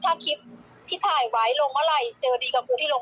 ถ้าเอาคลิปที่ถ่ายไปลงอ่ะก็ดูว่าคนค่าราชการชั้นสูง